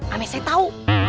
ambe saya tau